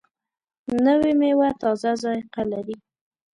نوې میوه تازه ذایقه لري